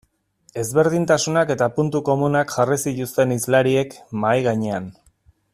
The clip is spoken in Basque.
Ezberdintasunak eta puntu komunak jarri zituzten hizlariek mahai gainean.